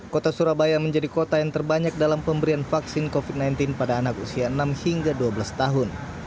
kota surabaya menjadi kota yang terbanyak dalam pemberian vaksin covid sembilan belas pada anak usia enam hingga dua belas tahun